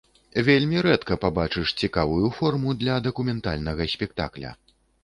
Вельмі рэдка пабачыш цікавую форму для дакументальнага спектакля.